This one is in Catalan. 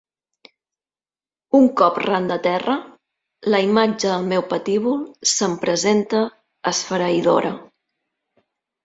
Un cop ran de terra, la imatge del meu patíbul se'm presenta esfereïdora.